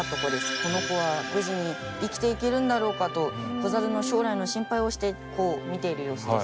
この子は無事に生きていけるんだろうかと子猿の将来の心配をしてこう見ている様子です。